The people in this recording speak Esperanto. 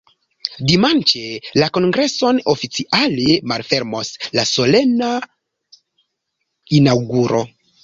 Dimanĉe la kongreson oficiale malfermos la solena inaŭguro.